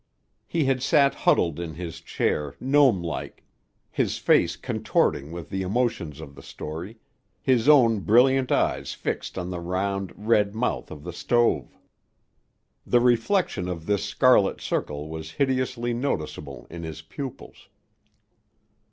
He had sat huddled in his chair, gnomelike, his face contorting with the emotions of the story, his own brilliant eyes fixed on the round, red mouth of the stove. The reflection of this scarlet circle was hideously noticeable in his pupils.